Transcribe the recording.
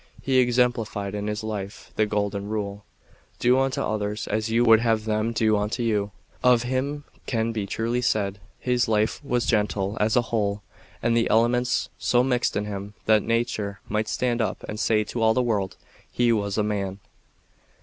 He exemplified in his life the Golden Rule, 'Do unto others as you would have them do unto you.' Of him it can be truly said, his life was gentle as a whole, and the elements so mixed in him that 'nature might stand up and say to all the world, "He was a man."'"